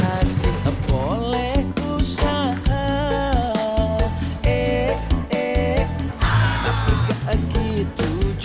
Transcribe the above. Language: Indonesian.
assalamualaikum nek dede